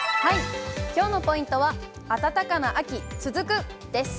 きょうのポイントは、暖かな秋続くです。